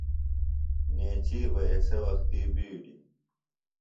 نیچِیر بہ ایسےۡ وختی بِیڈیۡ